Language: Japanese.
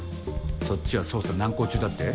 そっちは捜査難航中だって？